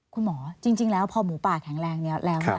คุณหมอจริงแล้วพอหมูป่าแข็งแรงนี้แล้ว